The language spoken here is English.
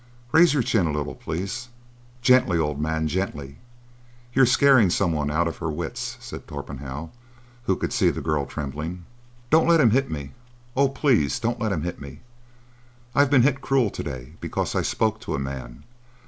Raise your chin a little, please." "Gently, old man, gently. You're scaring somebody out of her wits," said Torpenhow, who could see the girl trembling. "Don't let him hit me! Oh, please don't let him hit me! I've been hit cruel to day because I spoke to a man.